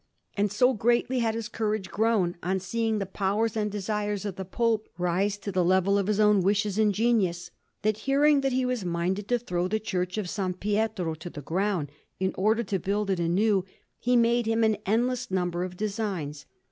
And so greatly had his courage grown, on seeing the powers and desires of the Pope rise to the level of his own wishes and genius, that, hearing that he was minded to throw the Church of S. Pietro to the ground, in order to build it anew, he made him an endless number of designs.